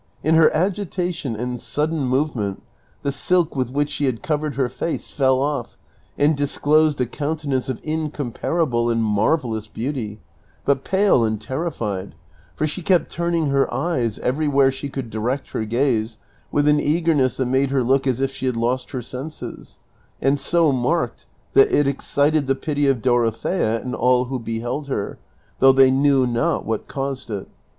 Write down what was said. In her agitation and sudden movement the silk with which she had covered her face fell off and disclosed a countenance of incomparable and marvellous beauty, l)ut pale and terrified ; for she kept turning her eyes, everywhere she could direct her gaze, with an eagerness that made her look as if she had lost her senses, and so marked that it ex cited the pity of Dorothea and all who beheld her, though they knew not what caused it.